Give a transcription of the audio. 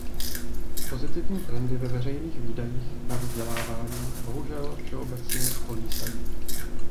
Pozitivní trendy ve veřejných výdajích na vzdělávání bohužel všeobecné kolísají.